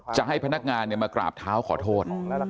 จะให้พนักงานมากราบเท้าขอโทษ